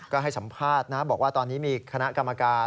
ก็ให้สัมภาษณ์นะบอกว่าตอนนี้มีคณะกรรมการ